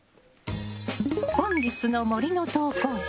本日の「森」の投稿者